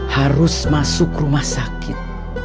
harus masuk rumah sakit